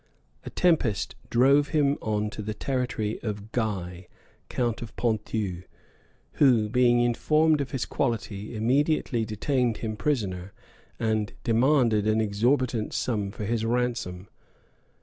A tempest drove him on the territory of Guy, count of Ponthieu, who, being informed of his quality, immediately detained him prisoner, and demanded an exorbitant sum for his ransom.